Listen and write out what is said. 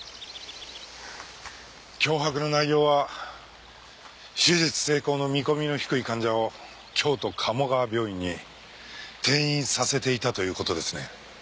脅迫の内容は手術成功の見込みの低い患者を京都鴨川病院に転院させていたという事ですね？